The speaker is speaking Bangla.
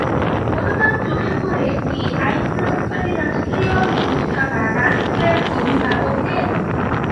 অনুতাপ চোখে পড়ে কি আইন প্রয়োগকারী রাষ্ট্রীয় সংস্থা বা রাষ্ট্রের অভিভাবকদের?